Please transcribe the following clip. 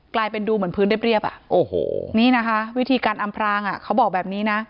กลายเป็นดูเหมือนพื้นเรียบอ่ะโอ้โหนี่นะคะวิธีการอำพรางเขาบอกแบบนี้นะ